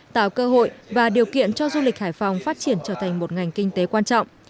tạo cơ hội và điều kiện cho du lịch hải phòng phát triển trở thành một ngành kinh tế quan trọng